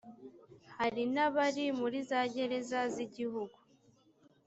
hari nabari muri za gereza z’ igihugu .